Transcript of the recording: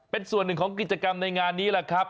เป็นส่วนหนึ่งของกิจกรรมในงานนี้แหละครับ